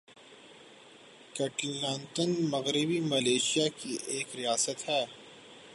"Kelantan" مغربی Malaysia کی ایک ریاست ہے۔